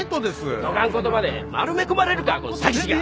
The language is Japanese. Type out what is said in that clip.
そがん言葉で丸め込まれるかこの詐欺師が！